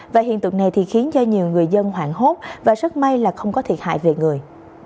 và hiện tượng này thì khiến cho nhiều người dân hoảng hốt và rất may là không có thiệt hại về người